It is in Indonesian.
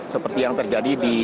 seperti yang terlihat di video ini